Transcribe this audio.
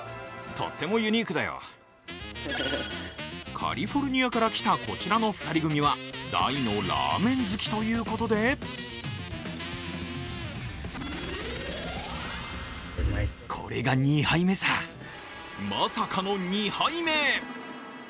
カリフォルニアから来たこちらの２人組は大のラーメン好きということでまさかの２杯目。